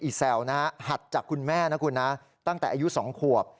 แซวนะฮะหัดจากคุณแม่นะคุณนะตั้งแต่อายุ๒ขวบ